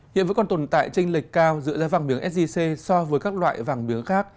hiện vẫn còn tồn tại tranh lệch cao giữa giá vàng miếng sgc so với các loại vàng miếng khác